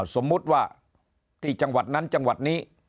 สมมุติว่าที่จังหวัดนั้นจังหวัดนี้